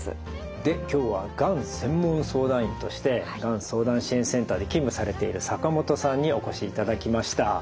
で今日はがん専門相談員としてがん相談支援センターで勤務されている坂本さんにお越しいただきました。